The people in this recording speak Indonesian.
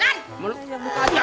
kamu yang muka aja